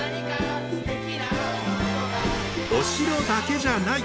お城だけじゃない！